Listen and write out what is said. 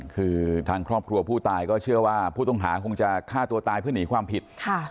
คือทางครอบครัวผู้ตายก็เชื่อว่าผู้ต้องหาคงจะฆ่าตัวตายเพื่อหนีความผิด